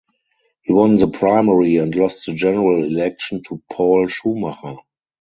He won the primary and lost the general election to Paul Schumacher.